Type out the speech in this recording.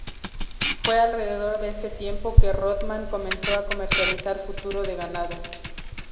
Fue alrededor de este tiempo que Rodham comenzó a comercializar futuro de ganado.